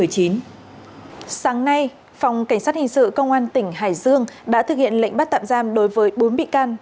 sáng nay phòng cảnh sát hình sự công an tỉnh hải dương đã thực hiện lệnh bắt tạm giam đối với bốn bị can